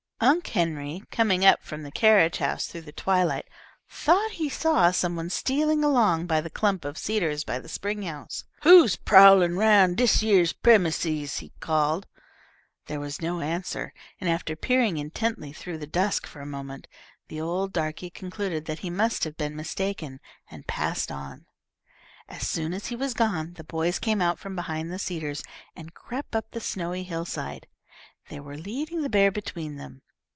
Unc' Henry, coming up from the carriage house through the twilight, thought he saw some one stealing along by the clump of cedars by the spring house. "Who's prowlin' roun' dis yere premises?" he called. There was no answer, and, after peering intently through the dusk for a moment, the old darkey concluded that he must have been mistaken, and passed on. As soon as he was gone, the boys came out from behind the cedars, and crept up the snowy hillside. They were leading the bear between them.